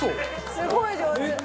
すごい上手！